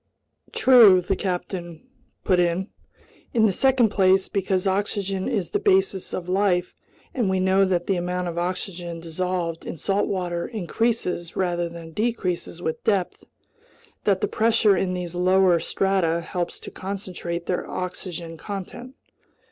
"True," the captain put in. "In the second place, because oxygen is the basis of life, and we know that the amount of oxygen dissolved in salt water increases rather than decreases with depth, that the pressure in these lower strata helps to concentrate their oxygen content."